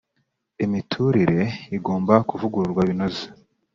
imiturire igomba kuvugururwa binoze